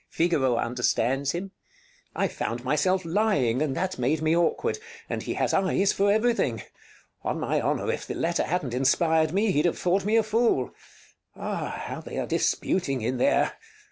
Figaro understands him. I found myself lying, and that made me awkward; and he has eyes for everything! On my honor, if the letter hadn't inspired me he'd have thought me a fool! Ah, how they are disputing in there!